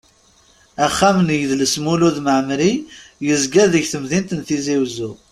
Axxam n yidles Mulud Mɛemmeri yezga deg temdint n Tizi Uzzu.